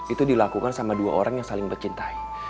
itu dilakukan sama dua orang yang saling mencintai